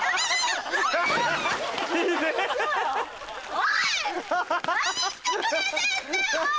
おい！